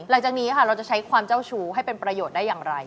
หลังจากนี้ค่ะเราจะใช้ความเจ้าชู้ให้เป็นประโยชน์ได้อย่างไร